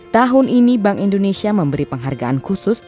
tahun ini bank indonesia memberi penghargaan khusus